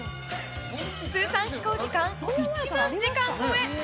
通算飛行時間１万時間超え。